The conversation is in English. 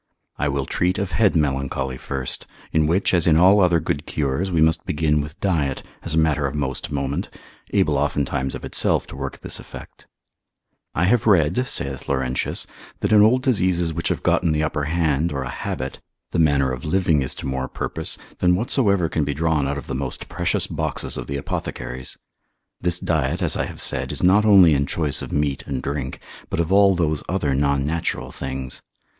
I will treat of head melancholy first, in which, as in all other good cures, we must begin with diet, as a matter of most moment, able oftentimes of itself to work this effect. I have read, saith Laurentius, cap. 8. de Melanch. that in old diseases which have gotten the upper hand or a habit, the manner of living is to more purpose, than whatsoever can be drawn out of the most precious boxes of the apothecaries. This diet, as I have said, is not only in choice of meat and drink, but of all those other non natural things.